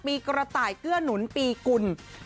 กระต่ายเกื้อหนุนปีกุล